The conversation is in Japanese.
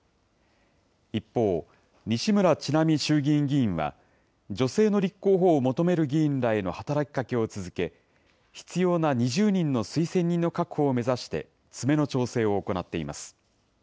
一方、西村智奈美衆議院議員は、女性の立候補を求める議員らへの働きかけを続け、必要な２０人の推薦人の確保を目指して詰めの調整を行っています。